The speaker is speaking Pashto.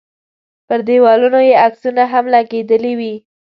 پر دیوالونو یې عکسونه هم لګېدلي وي.